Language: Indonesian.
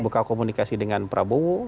buka komunikasi dengan prabowo